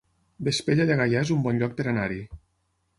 Vespella de Gaià es un bon lloc per anar-hi